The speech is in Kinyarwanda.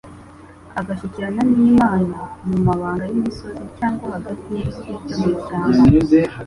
agashyikirana n'Imana mu mabanga y'imisozi cyangwa hagati y'ibiti byo mu ishyamba